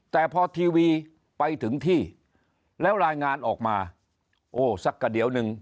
แต่พอทีวีไปถึงที่แล้วรายงานออกมาโอ้สักกระเดี๋ยวหนึ่ง